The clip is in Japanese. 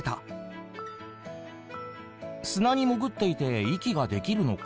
「砂に潜っていて息ができるのか？」